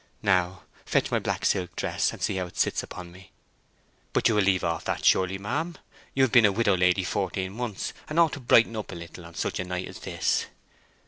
Now, fetch my black silk dress, and see how it sits upon me." "But you will leave off that, surely, ma'am? You have been a widow lady fourteen months, and ought to brighten up a little on such a night as this."